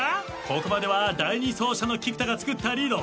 ここまでは第二走者の菊田がつくったリード。